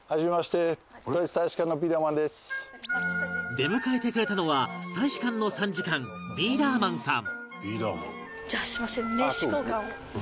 出迎えてくれたのは大使館の参事官ビーダーマンさん